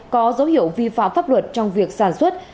có dấu hiệu vi phạm pháp luật trong việc sản xuất